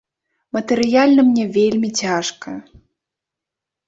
Матэрыяльна мне вельмі цяжка.